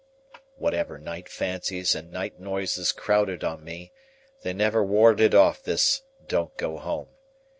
Whatever night fancies and night noises crowded on me, they never warded off this DON'T GO HOME.